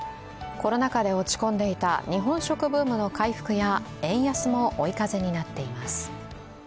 コロナ禍で落ち込んでいた日本食ブームの回復や円安も追い風になっています。